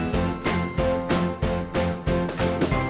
มีความสุขในที่ที่เราอยู่ในช่องนี้ก็คือความสุขในที่เราอยู่ในช่องนี้